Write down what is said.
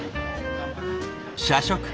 社食。